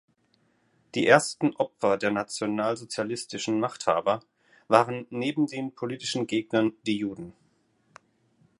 Die ersten Opfer der nationalsozialistischen Machthaber waren neben den politischen Gegnern die Juden.